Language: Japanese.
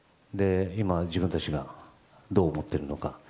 今、自分たちがどう思っているのか。